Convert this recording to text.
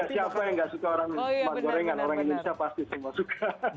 siapa yang nggak suka orang indonesia pasti semua suka